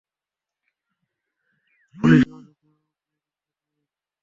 Police তাকে অচেতন অবস্থায় দেখতে পায়।